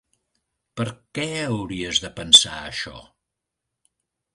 Per què hauries de pensar això?